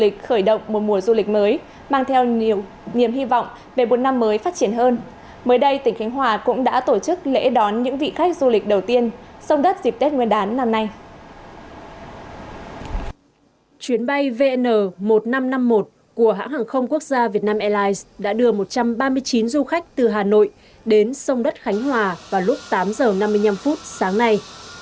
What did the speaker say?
của hãng hàng không quốc gia vietnam airlines đã đưa một trăm ba mươi chín du khách từ hà nội đến sông đất khánh hòa vào lúc tám h năm mươi năm sáng nay